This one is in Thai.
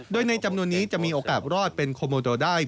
โดยในจำนวนนี้จะมีโอกาสรอดเป็นโคโมโตได้